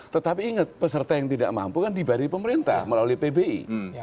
tetapi inget peserta yang tidak mampu kan dibayar di pemerintah melalui pbi